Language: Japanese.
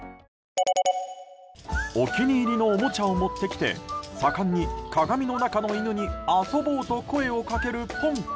お気に入りのおもちゃを持ってきて盛んに、鏡の中の犬に遊ぼうと声をかける、ぽん君。